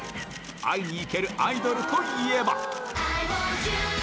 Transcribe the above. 会いに行けるアイドルといえば。